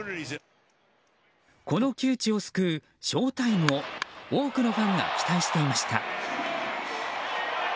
この窮地を救うショウタイムを多くのファンが期待していました。